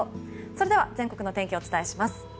それでは全国の天気をお伝えします。